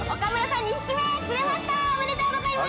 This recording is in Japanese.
おめでとうございます！